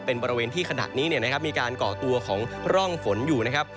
เป็นบริเวณที่ขณะนี้มีการก่อตัวของร่องฝนอยู่นะครับ